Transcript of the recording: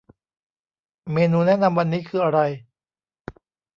เมนูแนะนำวันนี้คืออะไร